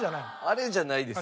あれじゃない？